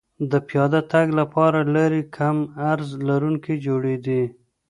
د پیاده تګ لپاره لارې کم عرض لرونکې جوړېدې